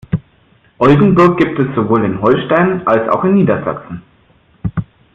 Oldenburg gibt es sowohl in Holstein, als auch in Niedersachsen.